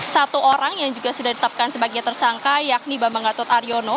satu orang yang juga sudah ditetapkan sebagai tersangka yakni bambang gatot aryono